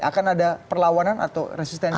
akan ada perlawanan atau resistensi